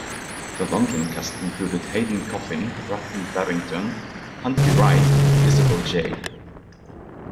The London cast included Hayden Coffin, Rutland Barrington, Huntley Wright and Isabel Jay.